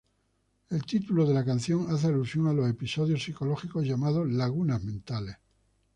El título de la canción hace alusión a los episodios psicológicos llamados Lagunas mentales.